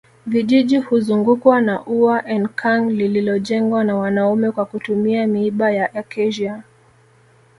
Vijiji huzungukwa na ua Enkang lililojengwa na wanaume kwa kutumia miiba ya acacia